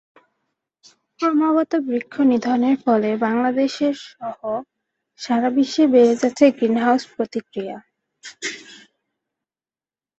ক্রমাগত বৃক্ষ নিধনের ফলে বাংলাদেশসহ সারা বিশ্বে বেড়ে যাচ্ছে গ্রীনহাউস প্রতিক্রিয়া।